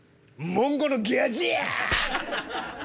モンゴのギャジャ！